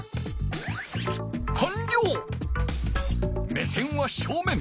目線は正面。